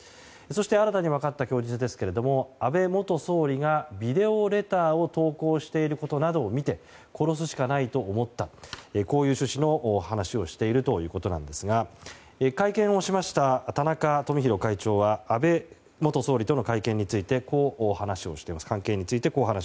そして、新たに分かった供述ですが安倍元総理がビデオレターを投稿していることなどを見て殺すしかないと思ったという趣旨の話をしているということなんですが会見をしました田中富広会長は安倍元総理との関係についてこう話をしています。